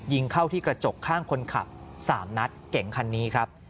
ยิงเข้าที่กระจกข้างคนขับ๓นัดเก่งคันนี้ครับ